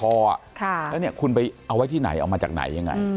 แล้วเนี่ยคุณไปเอาไว้ที่ไหนเอามาจากไหนยังไง